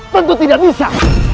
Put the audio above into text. tentu tidak bisa